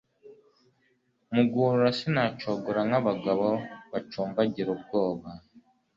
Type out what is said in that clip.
Mu guhurura sinacogora nk'abagabo bacumbagira ubwoba;